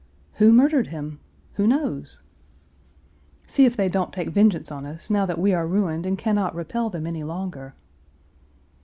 "Who murdered him? Who knows?" "See if they don't take vengeance on us, now that we are ruined and can not repel them any longer."